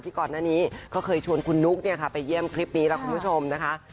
ก่อนหน้านี้เขาเคยชวนคุณนุ๊กไปเยี่ยมคลิปนี้แล้วคุณผู้ชมนะคะ